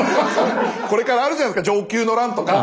これからあるじゃないですか承久の乱とか！